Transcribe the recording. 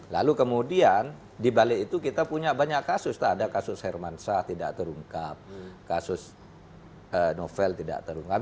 lalu kemudian di balik itu kita punya banyak kasus ada kasus hermansyah tidak terungkap kasus novel tidak terungkap